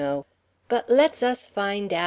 But let's us find out!"